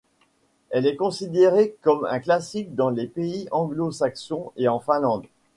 Elle est considérée comme un classique dans les pays anglo-saxons et en Finlande.